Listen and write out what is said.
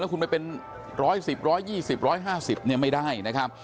แล้วคุณไปเป็นร้อยสิบร้อยยี่สิบร้อยห้าสิบไม่ได้